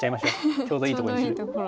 ちょうどいいところに。